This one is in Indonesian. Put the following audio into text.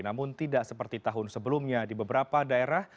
namun tidak seperti tahun sebelumnya di beberapa daerah